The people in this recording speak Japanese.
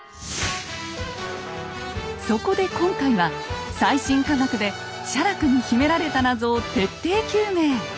そこで今回は最新科学で写楽に秘められた謎を徹底究明！